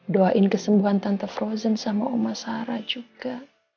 doain kesembuhan tante frozen sama oma sarah juga